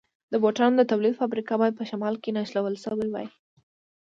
د بوټانو د تولید فابریکه باید په شمال کې نښلول شوې وای.